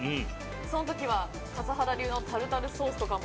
その時は笠原流のタルタルソースとかも？